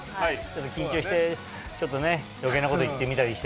緊張してちょっとね余計なこと言ってみたりして。